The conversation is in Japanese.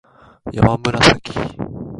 やまむらさき